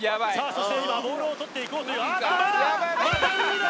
そして今ボールを取っていこうというああっと真栄田また海だ！